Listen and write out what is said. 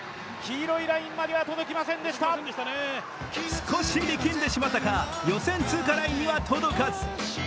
少し力んでしまったか、予選通過ラインには届かず。